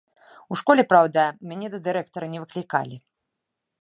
У школе, праўда, мяне да дырэктара не выклікалі.